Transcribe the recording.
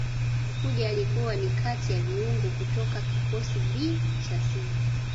Mkude alikuwa ni kati ya viungo kutoka kikosi B cha Simba